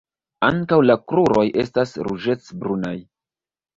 Ankaŭ la kruroj estas ruĝecbrunaj.